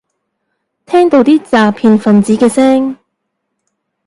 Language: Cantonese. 聽到啲詐騙份子嘅聲